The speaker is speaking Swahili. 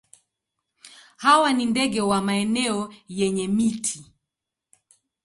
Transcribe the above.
Hawa ni ndege wa maeneo yenye miti.